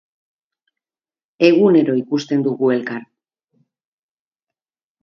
Egunero ikusten dugu elkar.